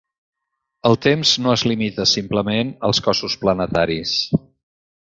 El temps no es limita simplement als cossos planetaris.